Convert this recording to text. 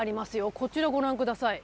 こちら、ご覧ください。